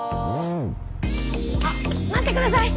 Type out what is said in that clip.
あっ待ってください！